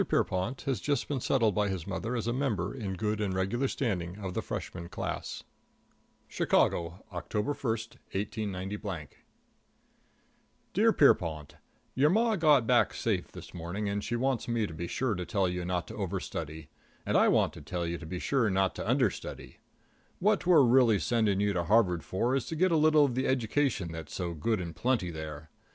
Pierrepont has || just been settled by his || mother as a member, in || good and regular standing, || of the Freshman class. |++ LETTERS from a SELF MADE MERCHANT to his SON I CHICAGO, October 1, 189 Dear Pierrepont: Your Ma got back safe this morning and she wants me to be sure to tell you not to over study, and I want to tell you to be sure not to under study. What we're really sending you to Harvard for is to get a little of the education that's so good and plenty there.